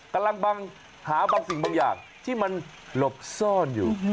กำลังหาบางสิ่งบางอย่างที่มันหลบซ่อนอยู่